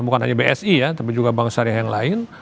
bukan hanya bsi ya tapi juga bank syariah yang lain